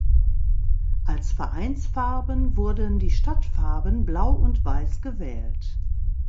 Als Vereinsfarben wurden die Stadtfarben Blau und Weiß gewählt.